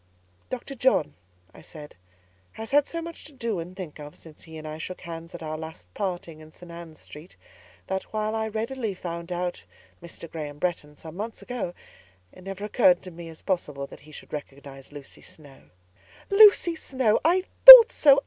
"Dr. John," I said, "has had so much to do and think of, since he and I shook hands at our last parting in St. Ann's Street, that, while I readily found out Mr. Graham Bretton, some months ago, it never occurred to me as possible that he should recognise Lucy Snowe." "Lucy Snowe! I thought so!